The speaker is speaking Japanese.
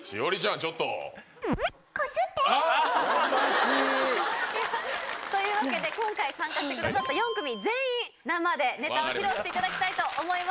コスって！というわけで今回参加してくださった４組全員生でネタを披露していただきたいと思います。